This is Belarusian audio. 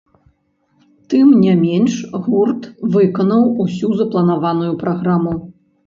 Тым не менш гурт выканаў усю запланаваную праграму.